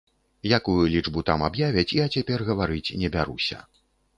Якую лічбу там аб'явяць, я цяпер гаварыць не бяруся.